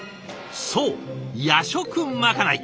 そう夜食まかない！